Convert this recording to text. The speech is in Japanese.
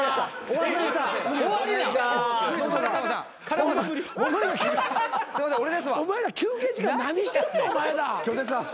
お前ら休憩時間何してんねん！